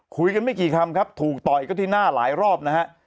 คุยกันไม่กี่คำครับถูกต่อยก็ที่หน้าหลายรอบนะฮะ